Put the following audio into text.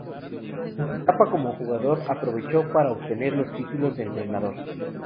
En su etapa como jugador aprovechó para obtener los títulos de entrenador.